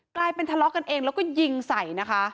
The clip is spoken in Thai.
กลายเป็นทะเลาะกันเองแล้วก็ยิงใส่นะคะ